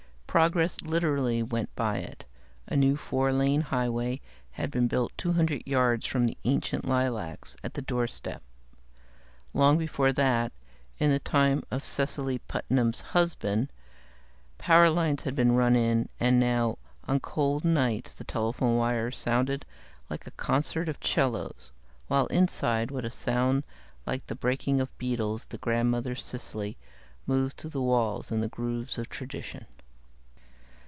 Progress literally went by it: a new four lane highway had been built two hundred yards from the ancient lilacs at the doorstep. Long before that, in the time of Cecily Putnam's husband, power lines had been run in, and now on cold nights the telephone wires sounded like a concert of cellos, while inside with a sound like the breaking of beetles, the grandmother Cecily moved through the walls in the grooves of tradition.